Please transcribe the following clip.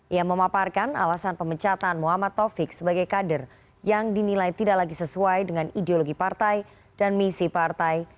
ia memaparkan alasan pemecatan muhammad taufik sebagai kader yang dinilai tidak lagi sesuai dengan ideologi partai dan misi partai